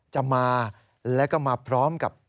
จะมาแล้วก็มาพร้อมกับ